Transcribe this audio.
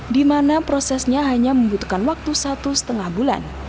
di mana prosesnya hanya membutuhkan waktu satu lima bulan